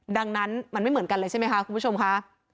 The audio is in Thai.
ดังนั้นมันไม่เหมือนกันเลยใช่ไหมคะคุณผู้ชมค่ะ